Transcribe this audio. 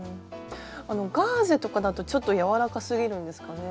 あのガーゼとかだとちょっと柔らかすぎるんですかね？